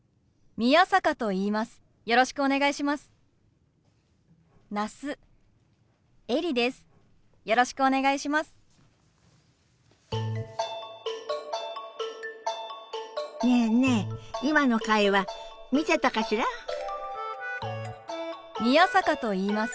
宮坂と言います。